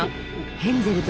ヘンゼル君！